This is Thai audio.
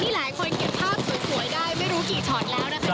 หลายคนเก็บภาพสวยได้ไม่รู้กี่ช็อตแล้วนะคะ